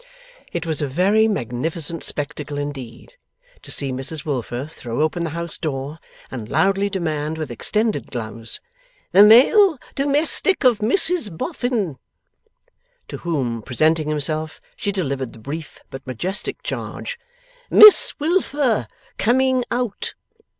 It was a very magnificent spectacle indeed, to see Mrs Wilfer throw open the house door, and loudly demand with extended gloves, 'The male domestic of Mrs Boffin!' To whom presenting himself, she delivered the brief but majestic charge, 'Miss Wilfer. Coming out!